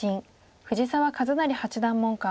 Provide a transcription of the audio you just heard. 藤澤一就八段門下。